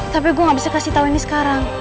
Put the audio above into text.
tapi gue gak bisa kasih tahu ini sekarang